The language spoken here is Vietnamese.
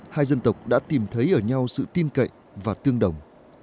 hai dân tộc đã tìm thấy ở nhau sự tin cậy và tương đồng